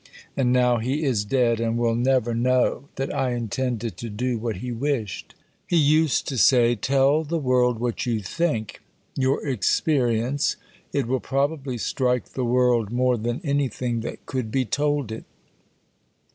And now he is dead, and will never know that I intended to do what he wished. He used to say, "Tell the world what you think your experience. It will probably strike the world more than anything that could be told it."